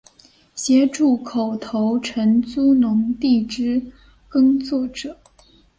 协助口头承租农地之耕作者